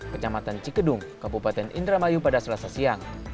kecamatan cikedung kabupaten indramayu pada selasa siang